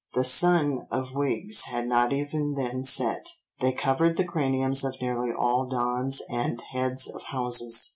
The sun of wigs had not even then set; they covered the craniums of nearly all dons and heads of houses.